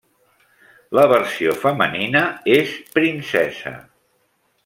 La versió femenina és princesa.